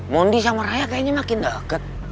mondi sama raya kayaknya makin deket